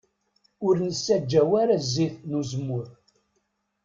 Ur nessaǧaw ara zzit n uzemmur.